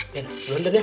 den duluan den ya